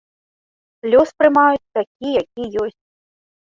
Лёс прымаюць такі, які ёсць.